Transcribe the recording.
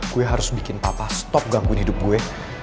gue harus bikin bapak stop gangguin hidup gue